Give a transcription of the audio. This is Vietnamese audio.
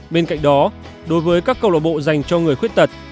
bên cạnh đó đối với các câu lạc bộ dành cho người khuyết tật